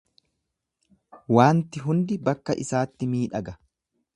Waanti hundi bakka isaatti miidhaga.